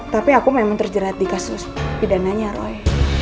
tapi aku memang terjerat di kasus pidananya roy